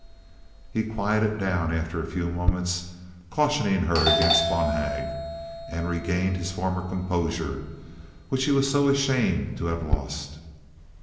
He quieted down after a few moments, cautioning her against Bonhag, and regaining his former composure, which he was so ashamed to have lost.